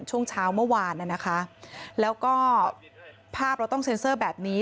ช่วงเช้าเมื่อวานน่ะนะคะแล้วก็ภาพเราต้องเซ็นเซอร์แบบนี้